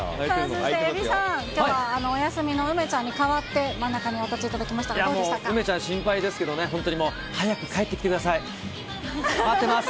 そしてえびさん、きょう、お休みの梅ちゃんに代わって、真ん中にお越しいただきましたが、梅ちゃん心配ですけど、本当にもう、早く帰ってきてください。